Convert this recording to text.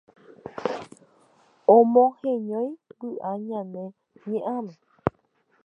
omoheñói vy'a ñane ñe'ãme.